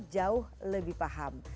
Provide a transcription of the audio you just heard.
jauh lebih paham